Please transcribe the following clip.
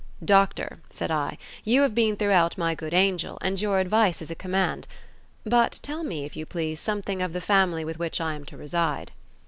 "Doctor," said I, "you have been throughout my good angel, and your advice is a command. But tell me, if you please, something of the family with which I am to reside."